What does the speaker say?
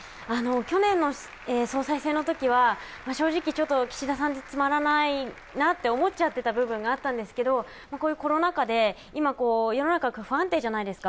去年の総裁選のときは正直、岸田さんじゃつまらないなって思ってた部分があるんですけどこういうコロナ禍で今、世の中が不安定じゃないですか。